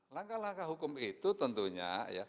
langkah langkah hukum itu tentunya